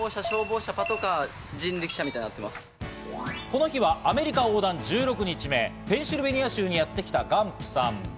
この日はアメリカ横断１６日目、ペンシルベニア州にやってきたガンプさん。